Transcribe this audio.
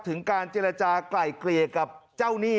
ถึงการเจรจากลายเกลี่ยกับเจ้าหนี้